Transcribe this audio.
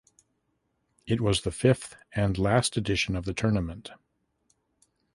It was the fifth and last edition of the tournament.